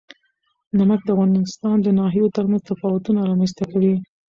نمک د افغانستان د ناحیو ترمنځ تفاوتونه رامنځ ته کوي.